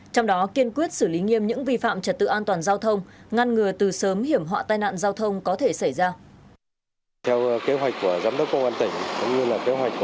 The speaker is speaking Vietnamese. trong đó kiên quyết xử lý nghiêm những vi phạm trật tự an toàn giao thông ngăn ngừa từ sớm hiểm họa tai nạn giao thông có thể xảy ra